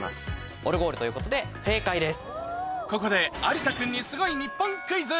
「オルゴール」ということで正解です。